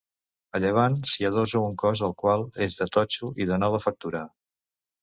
A llevant s'hi adossa un cos el qual és de totxo i de nova factura.